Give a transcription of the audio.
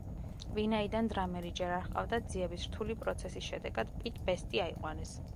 ვინაიდან დრამერი ჯერ არ ჰყავდათ, ძიების რთული პროცესის შედეგად პიტ ბესტი აიყვანეს.